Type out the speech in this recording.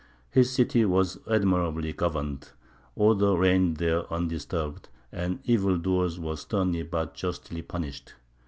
His city was admirably governed, order reigned there undisturbed, and evil doers were sternly but justly punished.